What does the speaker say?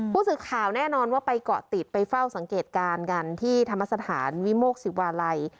ผู้สื่อข่าวแน่นอนว่าไปเกาะติดไปเฝ้าสังเกตการณ์กันที่ธรรมสถานวิโมกศิวาลัย